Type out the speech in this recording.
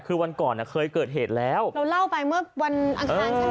คือวันก่อนเคยเกิดเหตุแล้วเราเล่าไปเมื่อวันอังคารใช่ไหม